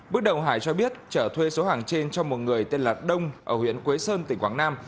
bước đầu hải cho biết trở thuê số hàng trên cho một người tên là đông ở huyện quế sơn tỉnh quảng nam